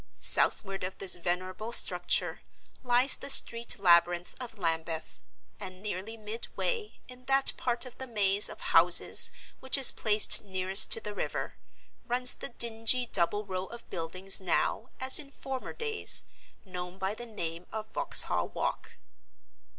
Southward of this venerable structure lies the street labyrinth of Lambeth; and nearly midway, in that part of the maze of houses which is placed nearest to the river, runs the dingy double row of buildings now, as in former days, known by the name of Vauxhall Walk.